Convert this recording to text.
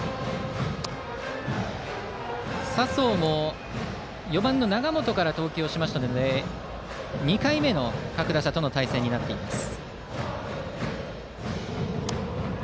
佐宗も、４番の永本から投球したので２回目の各打者との対戦になっています。